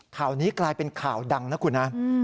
ข่าวนี้กลายเป็นข่าวดังนะคุณนะ